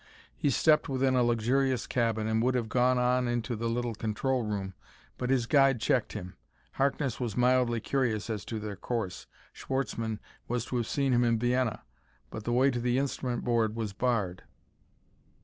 He stepped within a luxurious cabin and would have gone on into the little control room, but his guide checked him. Harkness was mildly curious as to their course Schwartzmann was to have seen him in Vienna but the way to the instrument board was barred.